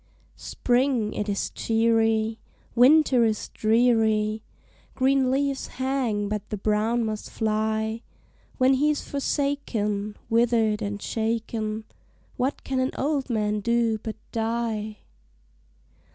Spring it is cheery, Winter is dreary, Green leaves hang, but the brown must fly; When he's forsaken, Withered and shaken, What can an old man do but die?